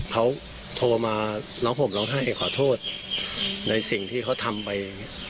เขาโทรมาร้องห่มร้องไห้ขอโทษในสิ่งที่เขาทำไป